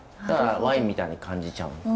だからワインみたいに感じちゃう。